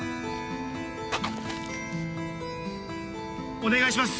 お願いします。